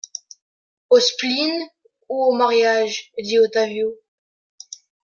Au spleen ou au mariage ? dit Ottavio.